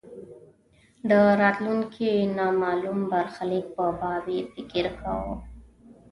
د راتلونکې نامالوم برخلیک په باب یې فکر کاوه.